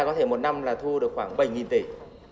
có thể một năm là thu được khoảng bảy tỷ